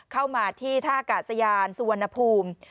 เข้ามาที่ท่ากาศยานสุวรรณภูมิ